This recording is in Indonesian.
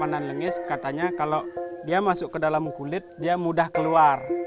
panan lengis katanya kalau dia masuk ke dalam kulit dia mudah keluar